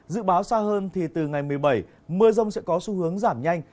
dự báo xa hơn thì từ ngày một mươi bảy mưa rông sẽ có xu hướng giảm nhanh